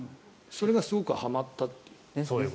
それがすごくはまったという。